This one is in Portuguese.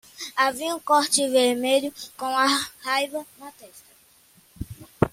Havia um corte vermelho com raiva na testa.